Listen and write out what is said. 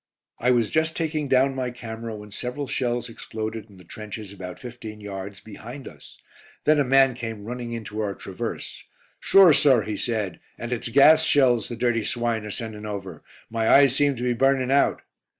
I was just taking down my camera when several shells exploded in the trenches about fifteen yards behind us. Then a man came running into our traverse: "Shure, sor," he said, "and it's gas shells the dirty swine are sending over. My eyes seem to be burning out."